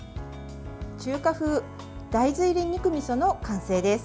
中華風大豆入り肉みその完成です。